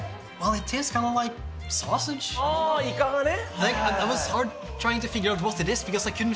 ーいかがね。